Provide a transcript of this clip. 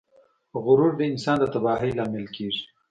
غرور د انسان د تباهۍ لامل کیږي.